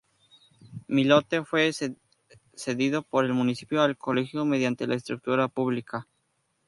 El lote fue cedido por el Municipio al colegio mediante la escritura pública No.